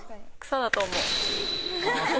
草だと思う。